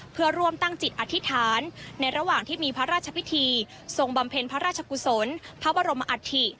เพื่อร่วมตั้งจิตอธิษฐานในระหว่างที่มีพระราชพิธีทรงบำเพ็ญพระราชกุศลพระบรมอัฐิ